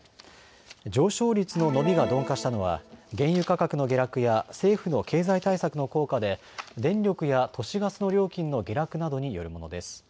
上昇率の伸びが鈍化したのは原油価格の下落や政府の経済対策の効果で電力や都市ガスの料金の下落などによるものです。